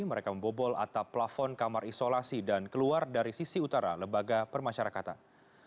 mereka membobol atap plafon kamar isolasi dan keluar dari sisi utara lembaga permasyarakatan